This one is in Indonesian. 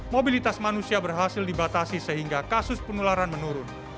mobilitas manusia berhasil dibatasi sehingga kasus penularan menurun